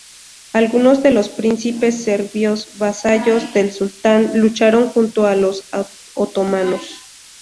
Algunos de los príncipes serbios vasallos del sultán lucharon junto a los otomanos.